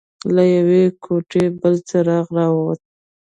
له يوې کوټې بل څراغ راووت.